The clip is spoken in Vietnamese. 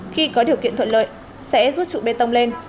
khi có điều kiện thuận lợi sẽ rút trụ bê tông lên